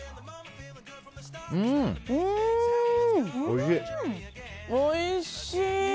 おいしい！